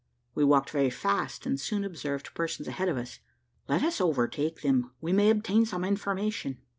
We walked very fast, and soon observed persons ahead of us. "Let us overtake them, we may obtain some information."